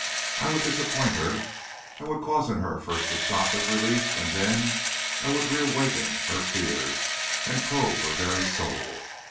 I would disappoint her. I would cause in her first a shock of relief, and then I would reawaken her fears and probe her very soul.